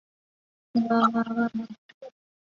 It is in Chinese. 彼得宫城市内的留有大量历史建筑物。